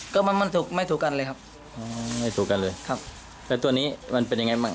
ก็มันมันถูกไม่ถูกกันเลยครับอ๋อไม่ถูกกันเลยครับแล้วตัวนี้มันเป็นยังไงบ้าง